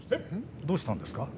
どうしたんですか？